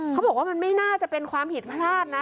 เขาบอกว่ามันไม่น่าจะเป็นความผิดพลาดนะ